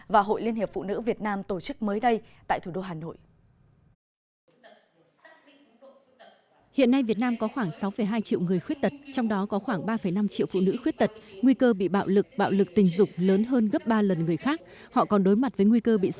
và hội liên hiệp phụ nữ việt nam tổ chức mới đây tại thủ đô hà nội